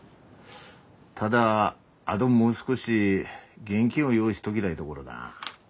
ただあどもう少し現金を用意しとぎだいどごろだなあ。